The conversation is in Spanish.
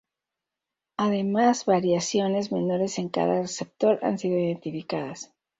Además, variaciones menores en cada receptor han sido identificadas.